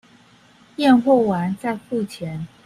驗貨完再付錢